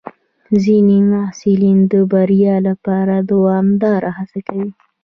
ځینې محصلین د بریا لپاره دوامداره هڅه کوي.